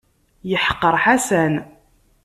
Yeḥqer Ḥasan.